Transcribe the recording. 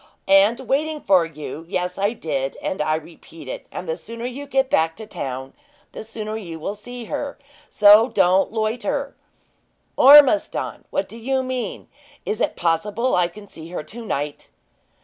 "And waiting for you yes, I did, and I repeat it; and the sooner you get back to town, the sooner you will see her; so don't loiter " "Ormiston, what do you mean! Is it possible I can see her to night?"